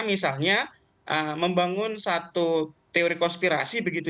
misalnya membangun satu teori konspirasi begitu